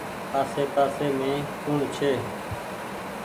آسي پآسي مين ڪوڻ ڇي۔